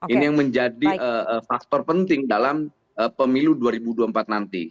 ini yang menjadi faktor penting dalam pemilu dua ribu dua puluh empat nanti